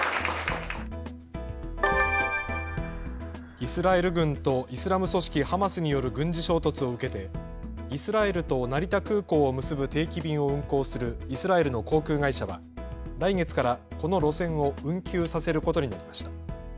イスラエル軍とイスラム組織ハマスによる軍事衝突を受けてイスラエルと成田空港を結ぶ定期便を運航するイスラエルの航空会社は来月からこの路線を運休させることになりました。